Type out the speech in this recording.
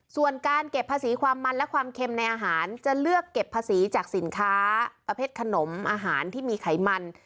ส่วนการเก็บภาษีความมันและความเค็มในอาหารจะเลือกเก็บภาษีจากสินค้าประเภทขนมอาหารที่มีไขมัน